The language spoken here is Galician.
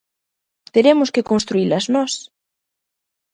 Teremos que construílas nós.